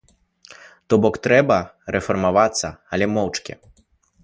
То бок, трэба рэфармавацца, але моўчкі.